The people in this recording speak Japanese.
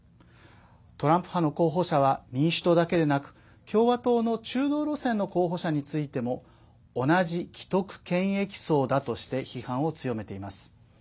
トランプ派の候補者は民主党だけでなく共和党の中道路線の候補者についても同じ既得権益層だとして批判を強めています。